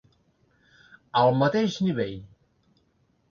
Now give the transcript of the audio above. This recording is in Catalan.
Al mateix nivell.